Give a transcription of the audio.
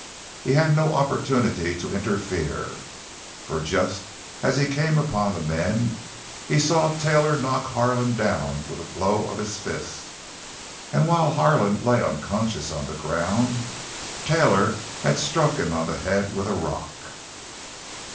He had no opportunity to interfere, for just as he came upon the men he saw Taylor knock Harlan down with a blow of his fist. And while Harlan lay unconscious on the ground Taylor had struck him on the head with a rock.